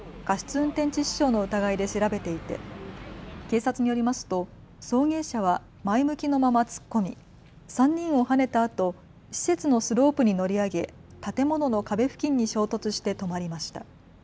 運転致死傷の疑いで調べていて警察によりますと送迎車は前向きのまま突っ込み３人をはねたあと施設のスロープに乗り上げ建物の壁付近に衝突して止まりました。